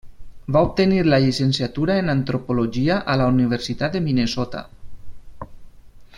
Va obtenir la Llicenciatura en antropologia a la Universitat de Minnesota.